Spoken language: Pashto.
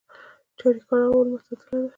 چاریکار هوا ولې معتدله ده؟